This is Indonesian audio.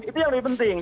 itu yang lebih penting